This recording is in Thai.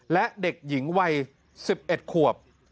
และเด็กหญิงวัย๑๑ขวบ